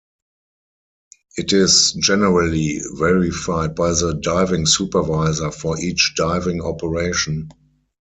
It is generally verified by the diving supervisor for each diving operation.